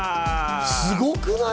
すごくない？